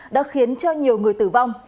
đã khiến cho nhiều người tử vong